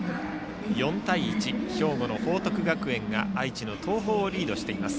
４対１、兵庫の報徳学園が愛知の東邦をリードしています。